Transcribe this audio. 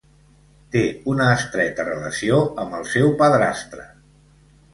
Té una estreta relació amb el seu padrastre.